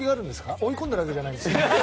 追い込んでるわけではないです。